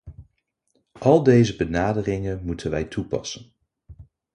Al deze benaderingen moeten wij toepassen.